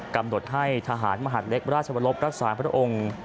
กำหนดให้ทหารมหาดเล็กราชวรบรักษาพระองค์